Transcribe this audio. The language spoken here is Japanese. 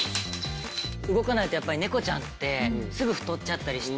動かないとやっぱり猫ちゃんってすぐ太っちゃったりして。